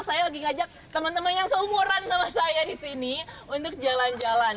saya lagi ngajak teman teman yang seumuran sama saya di sini untuk jalan jalan